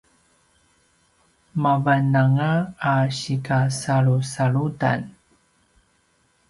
mavananga a sikasalusalutan